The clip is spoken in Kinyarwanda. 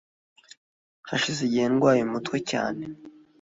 hashize igihe ndwaye umutwe cyane